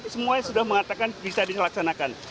semuanya sudah mengatakan bisa dilaksanakan